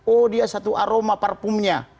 oh dia satu aroma parfumnya